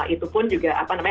itu pun juga apa namanya